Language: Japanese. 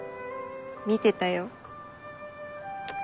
見てたよ。